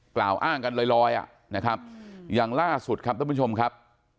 กล่าวอ้างกันลอยอ่ะนะครับอย่างล่าสุดครับท่านผู้ชมครับ